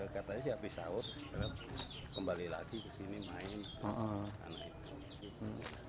katanya sih habis sahur kembali lagi ke sini main